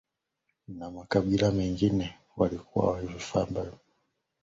na makabila mengine walikumbuka vita na mashambulio ya awali kutoka Uhehe walipendelea kushikamana na